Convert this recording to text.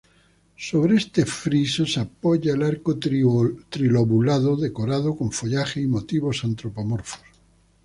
Sobre este friso se apoya el arco trilobulado, decorado con follaje y motivos antropomorfos.